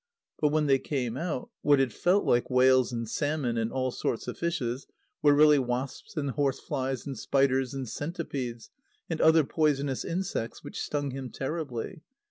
But when they came out, what had felt like whales and salmon, and all sorts of fishes, were really wasps and horse flies and spiders and centipedes, and other poisonous insects, which stung him terribly.